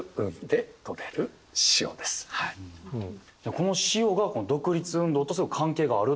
この塩がこの独立運動とすごく関係があるってことですよね。